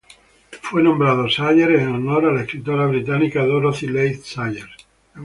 Fue nombrado Sayers en honor a la escritora británica Dorothy Leigh Sayers.